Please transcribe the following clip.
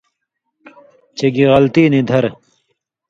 چے گی غلطی نی دَھرہۡ